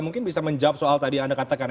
mungkin bisa menjawab soal tadi anda katakan